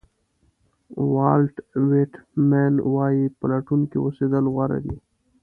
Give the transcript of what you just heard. والټ وېټمن وایي پلټونکی اوسېدل غوره دي.